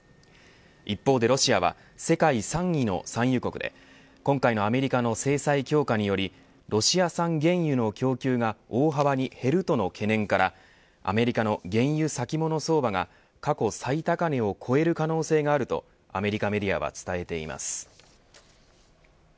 一方でロシアは世界３位の産油国で今回のアメリカの制裁強化によりロシア産原油の供給が大幅に減るとの懸念からアメリカの原油先物相場が過去最高値を超える可能性があるとアメリカメディアは伝えています。